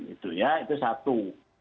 itu ya itu satu